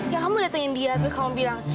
ya kamu datengin dia terus kamu bilang